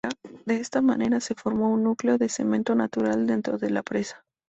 De esta manera se formó un núcleo de cemento natural dentro de la presa.